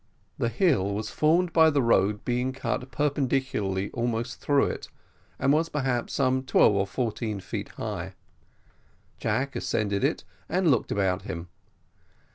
The hill was formed by the road being cut perpendicularly almost through it, and was perhaps some twelve or fourteen feet high. Jack ascended it, and looked about him.